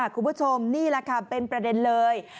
คุณผู้ชมนี่แหละค่ะเป็นประเด็นเลย